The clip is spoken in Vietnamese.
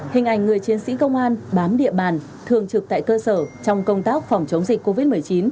hình ảnh người chiến sĩ công an bám địa bàn thường trực tại cơ sở trong công tác phòng chống dịch covid một mươi chín